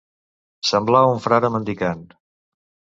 Semblar un frare mendicant.